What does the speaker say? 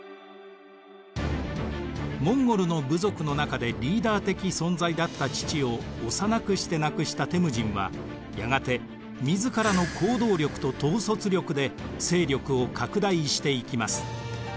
モンゴルの部族の中でリーダー的存在だった父を幼くして亡くしたテムジンはやがて自らの行動力と統率力で勢力を拡大していきます。